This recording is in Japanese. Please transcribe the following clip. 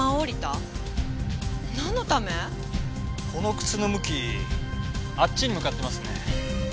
この靴の向きあっちに向かってますね。